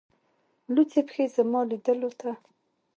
لڅي پښې زما لیدولو ته